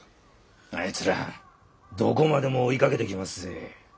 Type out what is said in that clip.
あいつらどこまでも追いかけて来ますぜ。